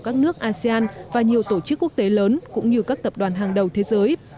các nước asean và nhiều tổ chức quốc tế lớn cũng như các tập đoàn hàng đầu thế giới